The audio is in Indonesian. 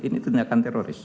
ini ternyata teroris